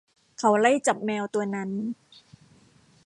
เขาไล่จับแมวตัวนั้น